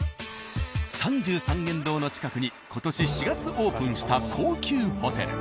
三十三間堂の近くに今年４月オープンした高級ホテル。